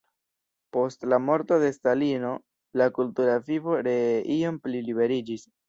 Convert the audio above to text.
Post la morto de Stalino la kultura vivo ree iom pli liberiĝis.